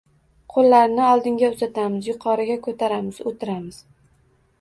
Qo‘llarni oldinga uzatamiz, yuqoriga ko‘taramiz, o‘tiramiz